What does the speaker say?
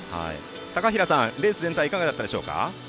高平さん、レース全体いかがでしたか？